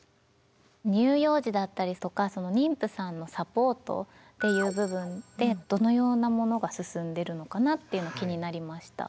乳幼児だったりとか妊婦さんのサポートっていう部分でどのようなものが進んでるのかなっていうの気になりました。